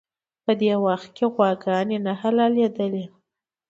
په دې وخت کې غواګانې نه حلالېدلې.